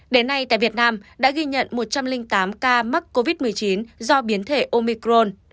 đến nay tại việt nam đã ghi nhận một trăm linh tám ca mắc covid một mươi chín do biến thể omicron